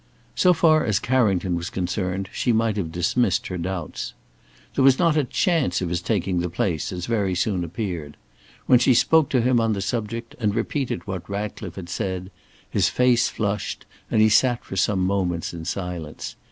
So far as Carrington was concerned, she might have dismissed her doubts. There was not a chance of his taking the place, as very soon appeared. When she spoke to him on the subject, and repeated what Ratcliffe had said, his face flushed, and he sat for some moments in silence.